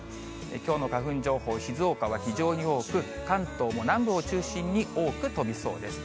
きょうの花粉情報、静岡は非常に多く、関東も南部を中心に多く飛びそうです。